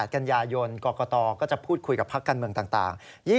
กันยายนกรกตก็จะพูดคุยกับพักการเมืองต่าง